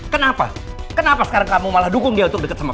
kenapa kenapa sekarang kamu malah dukung dia untuk deket sama kamu